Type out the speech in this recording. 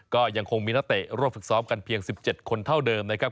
ก็ยังคงมีนักเตะร่วมฝึกซ้อมกันเพียง๑๗คนเท่าเดิมนะครับ